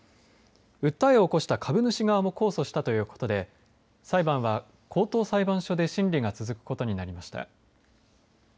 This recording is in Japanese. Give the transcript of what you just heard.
訴えを起こした株主側も控訴したということで裁判は高等裁判所で審理が続くことになりました。